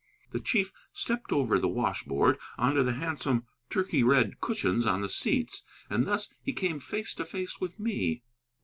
The chief stepped over the washboard onto the handsome turkey red cushions on the seats, and thus he came face to face with me.